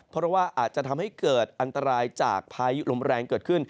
เพราะว่าอาจจะทำให้เกิดอันตรายจากพายุลมแรงเกิดขึ้น